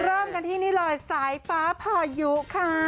เริ่มกันที่นี่เลยสายฟ้าพายุค่ะ